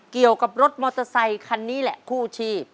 เกี่ยวกับรถมอเตอร์ไซคันนี้แหละคู่ชีพ